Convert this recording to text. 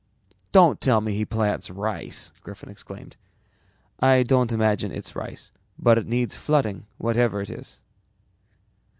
"Don't tell me he plants rice!" Griffin exclaimed. "I don't imagine it's rice, but it needs flooding whatever it is."